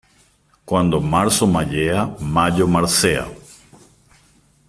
Cuando marzo mayea, mayo marcea.